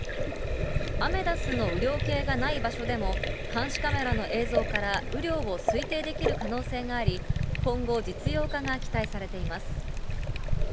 アメダスの雨量計がない場所でも、監視カメラの映像から雨量を推定できる可能性があり、今後、実用化が期待されています。